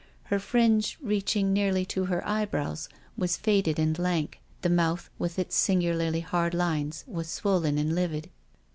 Her fringe, reaching nearly to her eyebrows, was faded and lank : the mouth, With its singularly W lines, was swollen and livid.